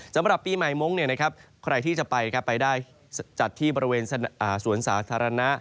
สำหรับปีใหม่มงค์ใครที่จะไปได้จัดที่บริเวณสวนสาธารณะ